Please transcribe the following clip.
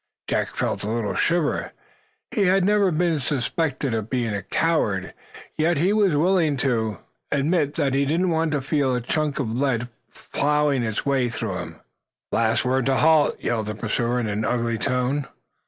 Jack felt a little shiver. He had never been suspected of being a coward, yet he was willing to admit that he didn't want to feel a chunk of lead plowing its way through him. "Last word to halt!" yelled the pursuer, in an ugly tone.